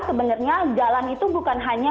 sebenarnya jalan itu bukan hanya